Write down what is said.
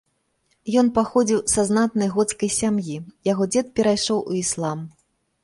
Ён паходзіў са знатнай гоцкай сям'і, яго дзед перайшоў у іслам.